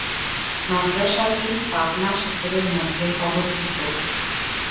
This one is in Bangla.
মাদ্রাসাটি পাবনা শহরের মধ্যে অবস্থিত।